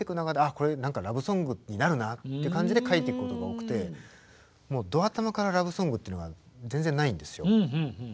これ何かラブソングになるなって感じで書いていくことが多くてど頭からラブソングっていうのが全然ないんですよ。